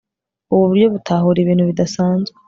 ubu buryo butahura ibintu bidasanzwe